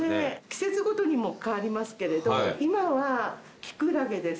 季節ごとにも変わりますけれど今は。